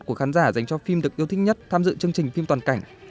của khán giả dành cho phim được yêu thích nhất tham dự chương trình phim toàn cảnh